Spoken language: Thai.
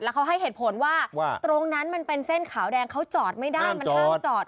เขาให้เหตุผลว่าตรงนั้นมันเป็นเส้นขาวแดงเขาจอดไม่ได้มันห้ามจอด